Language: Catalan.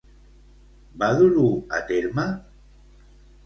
Va dur-ho a terme?